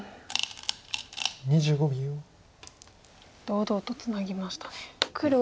堂々とツナぎましたね。